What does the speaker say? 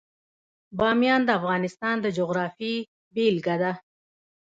بامیان د افغانستان د جغرافیې بېلګه ده.